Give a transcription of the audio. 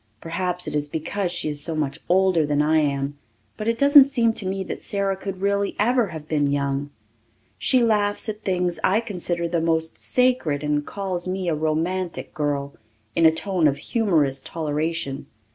Perhaps it is because she is so much older than I am, but it doesn't seem to me that Sara could really ever have been young. She laughs at things I consider the most sacred and calls me a romantic girl, in a tone of humorous toleration.